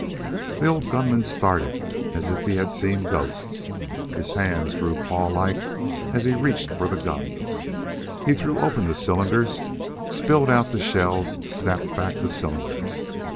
The old gun man started as if he had seen ghosts. His hands grew clawlike as he reached for the guns. He threw open the cylinders, spilled out the shells, snapped back the cylinders.